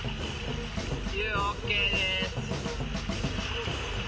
遊ＯＫです。